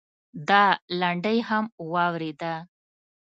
دا لنډۍ هم واورېده.